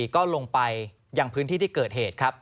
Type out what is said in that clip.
ก็ลงไปยังพื้นที่ที่เกิดเหตุครับ